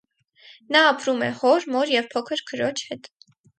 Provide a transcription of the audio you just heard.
Նա ապրում է հոր, մոր և փոքր քրոջ հետ։